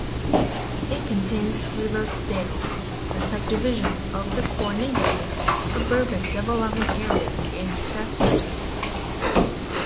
It contains Riversdale, a subdivision of the Core Neighbourhoods Suburban Development Area in Saskatoon.